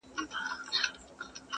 او کيسه نه ختمېده-